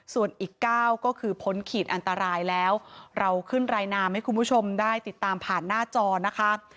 ส่วนอีก๙ก็คือพ้นขีดอันตรายแล้วเราขึ้นรายนามให้คุณผู้ชมได้ติดตามผ่านหน้าจอนะคะ